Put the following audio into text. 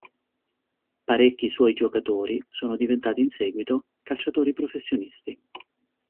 Parecchi suoi giocatori sono diventati in seguito calciatori professionisti.